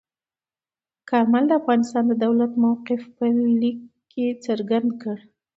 کارمل د افغانستان د دولت موقف په لیک کې څرګند کړ.